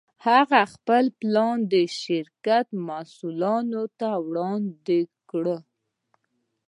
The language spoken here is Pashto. هغه خپل پلان د شرکت مسوولينو ته وړاندې کړ.